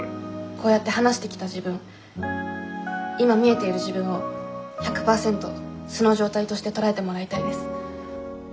こうやって話してきた自分今見えている自分を１００％素の状態として捉えてもらいたいです。